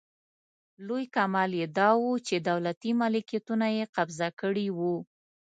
لوی کمال یې داوو چې دولتي ملکیتونه یې قبضه کړي وو.